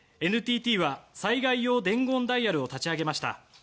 ＮＴＴは災害用伝言ダイヤルを立ち上げました。